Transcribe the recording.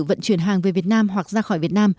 vận chuyển hàng về việt nam hoặc ra khỏi việt nam